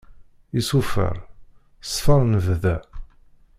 Iṣufeṛ, ṣṣfeṛ n bda.